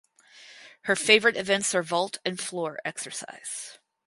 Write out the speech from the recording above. Her favorite events are vault and floor exercise.